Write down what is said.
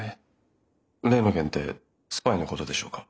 例の件ってスパイのことでしょうか？